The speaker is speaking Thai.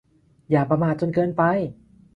อย่าประมาทจนเกินไป